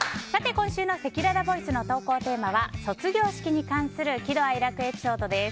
今週のせきららボイスの投稿テーマは卒業式に関する喜怒哀楽エピソードです。